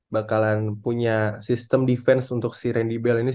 buat game yang ini